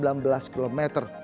jalan tol trans sumatra